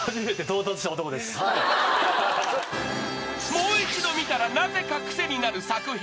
［もう一度見たらなぜかクセになる作品。